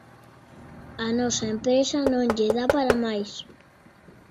Á nosa empresa non lle dá para máis.